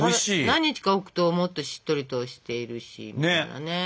何日か置くともっとしっとりとしているし。